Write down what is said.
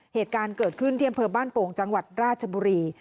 เหตุการณ์เกิดขึ้นที่อำเภอบ้านโป่งจังหวัดราชบุรี